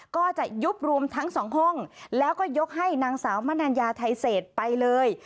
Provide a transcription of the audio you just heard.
ก็จะยุบรวมทั้งสองห้องแล้วก็ยกให้นางสาวมนัญญาไทยเศษไปเลย